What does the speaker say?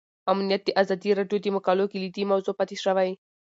امنیت د ازادي راډیو د مقالو کلیدي موضوع پاتې شوی.